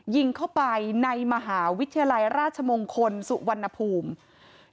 ยิงเข้าไปในมหาวิทยาลัยราชมงคลสุวรรณภูมิ